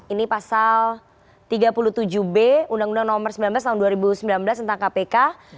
ini pasal tiga puluh tujuh b undang undang nomor sembilan belas tahun dua ribu sembilan belas tentang kpk